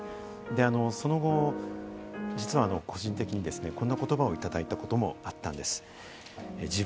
その後、実は個人的にこんな言葉をいただいたこともあったんです。